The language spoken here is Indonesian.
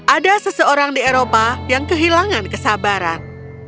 ada seseorang di eropa yang kehilangan kesabaran